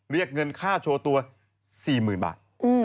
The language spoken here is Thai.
เรียกเงินค่าโชว์ตัว๔๐๐๐บาท